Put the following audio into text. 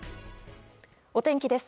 お天気です。